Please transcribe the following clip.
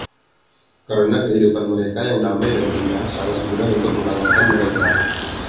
Karena kehidupan mereka yang damai dan indah, sangat mudah untuk mengalahkan mereka.